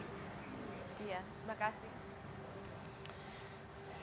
iya terima kasih